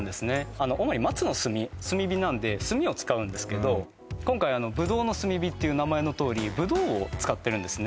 あの主に松の炭炭火なんで炭を使うんですけど今回葡萄の炭火っていう名前のとおり葡萄を使ってるんですね